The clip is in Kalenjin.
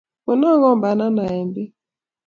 Konon kombana ae peek